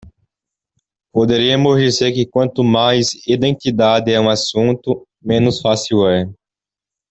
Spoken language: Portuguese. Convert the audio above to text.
Poderíamos dizer que quanto mais "identidade" é um assunto, menos fácil é.